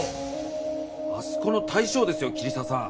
あそこの大将ですよ桐沢さん。